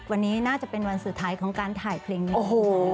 วันนี้น่าจะเป็นวันสุดท้ายของการถ่ายเพลงนี้